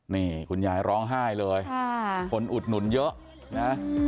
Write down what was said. นี่คุณยายร้องไห้เลยคนอุดหนุนเยอะนะ